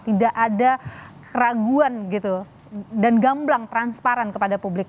tidak ada keraguan gitu dan gamblang transparan kepada publik